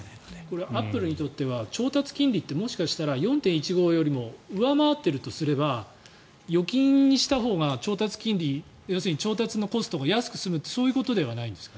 これ、アップルにとっては調達金利ってもしかしたら４．１５よりも上回ってるとすれば預金にしたほうが調達金利、調達のコストが安くなるということではないんですか？